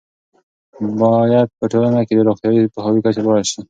باید په ټولنه کې د روغتیايي پوهاوي کچه لوړه شي.